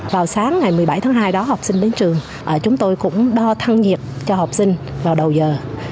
vào sáng ngày một mươi bảy tháng hai đó học sinh đến trường chúng tôi cũng đo thân nhiệt cho học sinh vào đầu giờ